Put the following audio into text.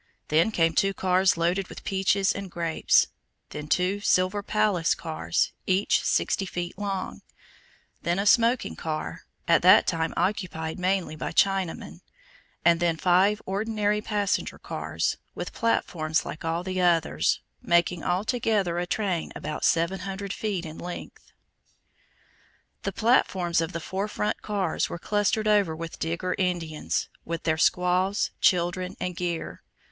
Then came two cars loaded with peaches and grapes; then two "silver palace" cars, each sixty feet long; then a smoking car, at that time occupied mainly by Chinamen; and then five ordinary passenger cars, with platforms like all the others, making altogether a train about 700 feet in length. The platforms of the four front cars were clustered over with Digger Indians, with their squaws, children, and gear.